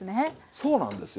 そうなんですよ。